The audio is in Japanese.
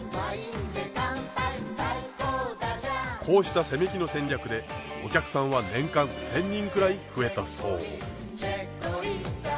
こうした攻め気の戦略でお客さんは年間１，０００人くらい増えたそう。